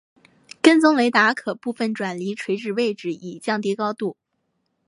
跟踪雷达可部分转离垂直位置以降低高度。